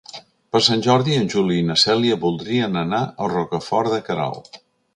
Per Sant Jordi en Juli i na Cèlia voldrien anar a Rocafort de Queralt.